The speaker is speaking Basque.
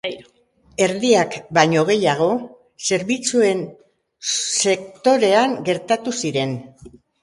Erdiak baino gehiago zerbitzuen sektorean gertatu ziren.